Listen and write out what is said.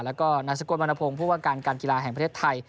แล้วก็นายสกลวรรณพงศ์ผู้ว่าการการกีฬาแห่งประเทศไทย